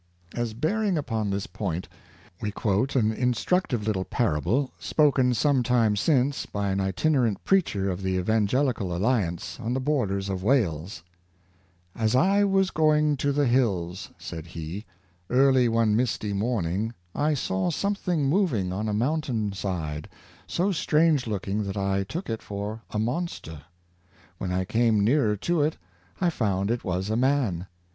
As bearing upon this point, we quote an instructive little parable spoken some time since by an itinerant preacher of the Evangelical Alliance on the borders of Wales: —" As I was going to the hills," said he, " early one misty morning, I saw something moving on a mountain side, so strange looking that I took it for Kindly Feelings, 611 ■*■•■..'' a monster. When I came nearer to it I found it was a man.